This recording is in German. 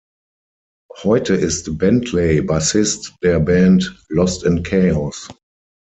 Heute ist Bentley Bassist der Band "Lost in Chaos".